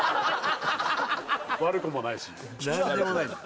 悪くもないし何にもないんだ